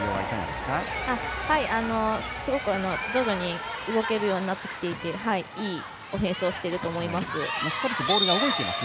すごく徐々に動けるようになってきていていいオフェンスをしていると思います。